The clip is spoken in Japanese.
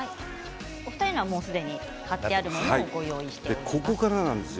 お二人のものはすでに貼ってあるものを用意しています。